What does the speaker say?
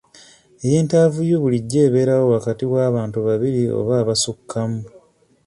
Yiintaaviyu bulijjo ebeerawo wakati w'abantu babiri oba abasukkamu.